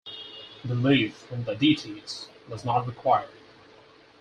Belief in the deities was not required.